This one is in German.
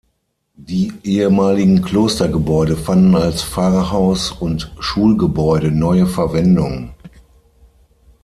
Die ehemaligen Klostergebäude fanden als Pfarrhaus und Schulgebäude neue Verwendung.